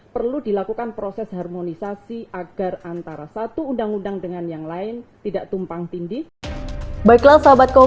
perlu dilakukan proses harmonisasi agar antara satu undang undang dengan yang lain tidak tumpang tindih